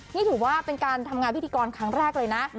นี่ถือว่าเป็นการทำงานพิธีกรครั้งแรกเลยนะ